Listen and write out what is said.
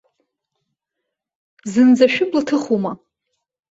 Зынӡа шәыбла ҭыхума?